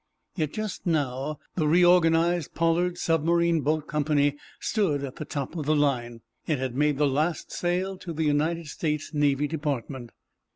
Yet just now the reorganized Pollard Submarine Boat Company stood at the top of the line. It had made the last sale to the United States Navy Department.